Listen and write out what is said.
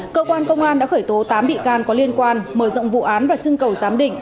cơ quan công an đã khởi tố tám bị can có liên quan mở rộng vụ án và trưng cầu giám định